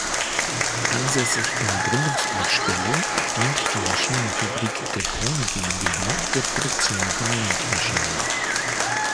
Ansässig im Gründungsort Spelle, dient die Maschinenfabrik der Krone GmbH der Produktion von Landmaschinen.